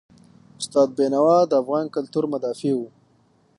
استاد بینوا د افغان کلتور مدافع و.